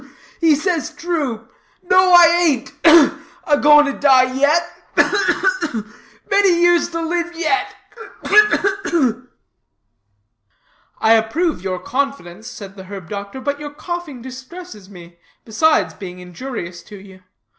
"Ugh, ugh, ugh! He says true. No, I ain't ugh! a going to die yet ugh, ugh, ugh! Many years to live yet, ugh, ugh, ugh!" "I approve your confidence," said the herb doctor; "but your coughing distresses me, besides being injurious to you.